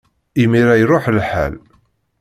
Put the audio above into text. Imir-a, iṛuḥ lḥal.